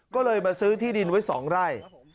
ก็เลยมาซื้อที่ดินไว้๒ไร่